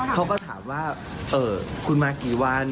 เขาก็ถามว่าคุณมากี่วัน